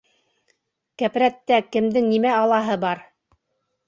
- Кәпрәттә кемдең нимә алаһы бар?